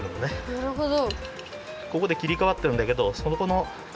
なるほど。